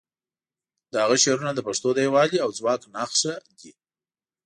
د هغه شعرونه د پښتو د یووالي او ځواک نښه دي.